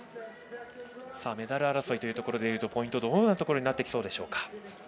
メダル争いというところでいうとポイントはどんなところになってきそうでしょうか。